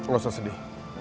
gak usah sedih